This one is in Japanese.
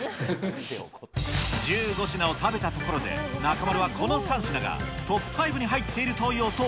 １５品を食べたところで、中丸はこの３品がトップ５に入っていると予想。